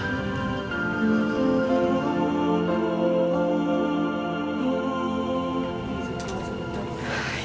itu maksud abah